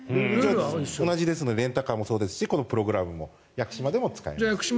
同じなのでレンタカーもそうですしこのプログラムも屋久島でも使えます。